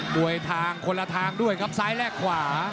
มวยทางคนละทางด้วยครับซ้ายแลกขวา